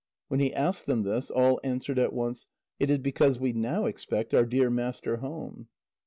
When he asked them this, all answered at once: "It is because we now expect our dear master home."